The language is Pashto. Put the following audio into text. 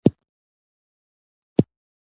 دمخ لیدل دي نه غواړم .